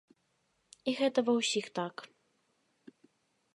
І гэта ва ўсіх так.